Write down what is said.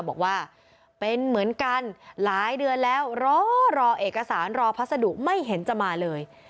บอกว่าเป็นเหมือนกันหลายเดือนแล้วรอรอเอกสารรอพัสดุไม่เห็นจะมาเลย